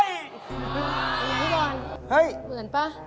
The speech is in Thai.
เหมือนไงพี่บอลเหมือนป่ะ